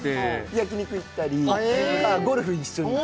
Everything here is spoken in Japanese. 焼き肉行ったり、ゴルフ一緒に。